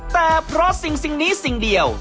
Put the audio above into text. แต่เพราะสิ่งนี้สิ่งเดียว